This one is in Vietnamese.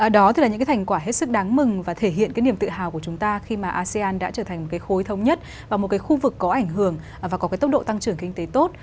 đó thì là những cái thành quả hết sức đáng mừng và thể hiện cái niềm tự hào của chúng ta khi mà asean đã trở thành cái khối thống nhất và một cái khu vực có ảnh hưởng và có cái tốc độ tăng trưởng kinh tế tốt